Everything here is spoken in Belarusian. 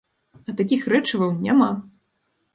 А такіх рэчываў няма!